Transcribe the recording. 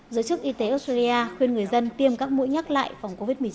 giới chức y tế australia khuyên người dân tiêm các mũi nhắc lại phòng covid một mươi chín